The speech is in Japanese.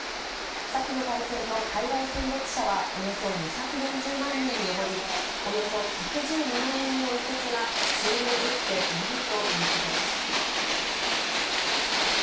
先の大戦の海外戦没者はおよそ２４０万人に上り、およそ１１２万人の遺骨が収容できていないということです。